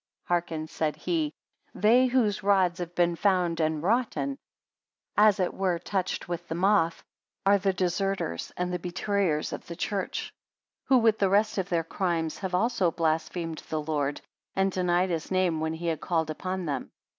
51 Hearken, said he; they whose rods have been found and rotten, and as it were touched with the moth; are the deserters and the betrayers of the church; 52 Who with the rest of their crimes, have also blasphemed the Lord, and denied his name when he had called upon them.